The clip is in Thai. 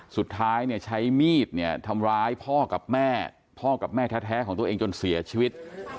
สุดท้ายเนี่ยใช้มีดเนี่ยทำร้ายพ่อกับแม่พ่อกับแม่แท้ของตัวเองจนเสียชีวิต